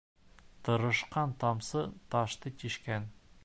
Тырышҡан тамсы ташты тишкән.